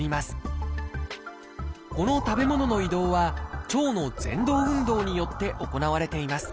この食べ物の移動は腸のぜん動運動によって行われています。